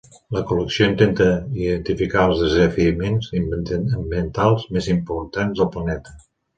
La col·lecció intenta identificar els desafiaments ambientals més importants del planeta.